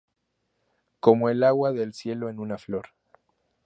Como el agua del cielo en una flor.